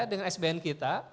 dengan sbn kita